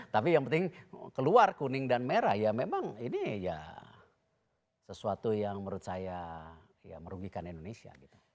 tapi yang penting keluar kuning dan merah ya memang ini ya sesuatu yang menurut saya ya merugikan indonesia gitu